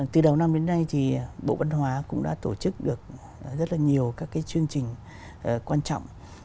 từ đầu năm đến nay thì bộ văn hóa cũng đã tổ chức được rất là nhiều các cái chương trình quan trọng